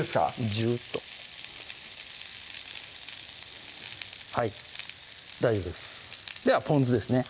ジュッとはい大丈夫ですではぽん酢ですね